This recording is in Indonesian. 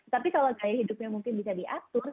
tapi kalau gaya hidupnya mungkin bisa diatur